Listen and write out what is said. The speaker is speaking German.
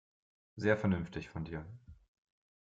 Sehr vernünftig von dir.